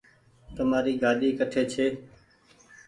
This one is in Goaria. تمآري گآڏي ڪٺي ڇي